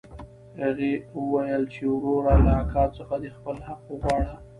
هغه وويل چې وروره له اکا څخه دې خپل حق وغواړه.